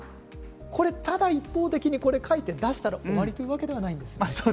ただ、一方的にこれを書いて出したら終わりということではないんですよね。